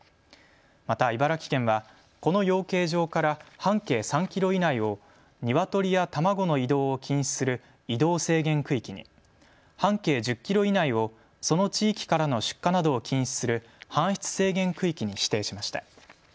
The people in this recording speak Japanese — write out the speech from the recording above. また茨城県はこの養鶏場から半径３キロ以内をニワトリや卵の移動を禁止する移動制限区域に、半径１０キロ以内をその地域からの出荷などを禁止する搬出制限区域に指定しました。